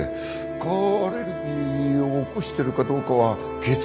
蚊アレルギーを起こしてるかどうかは血液検査をすれば。